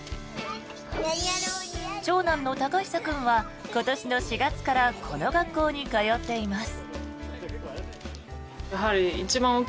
長男の理久君は今年の４月からこの学校に通っています。